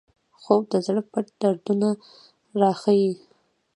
خوب د زړه پټ دردونه راښيي